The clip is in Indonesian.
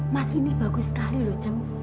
mas ini bagus sekali luceng